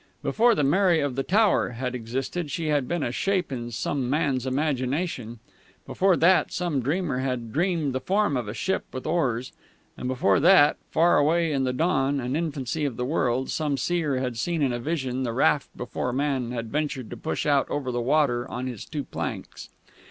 Before the Mary of the Tower had existed she had been a shape in some man's imagination; before that, some dreamer had dreamed the form of a ship with oars; and before that, far away in the dawn and infancy of the world, some seer had seen in a vision the raft before man had ventured to push out over the water on his two planks.